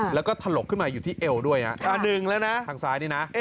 แล้วก็ทะหลกอยู่ครับที่เอวด้วยน่ะ